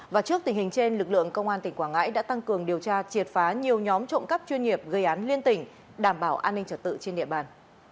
và trước tình hình trên lực lượng công an tỉnh quảng ngãi đã tăng cường điều tra triệt phá nhiều nhóm trộm cắp chuyên nghiệp gây án liên tỉnh đảm bảo an ninh trật tự trên địa bàn